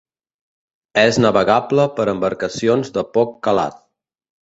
És navegable per embarcacions de poc calat.